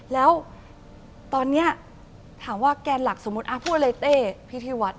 แล้วตอนนี้ถามว่าแกนหลักสมมุติพูดอะไรเต้พิธีวัฒน